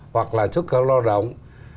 hoặc là xuất khẩu lao động